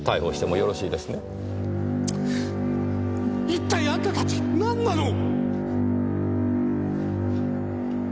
一体あんたたち何なの！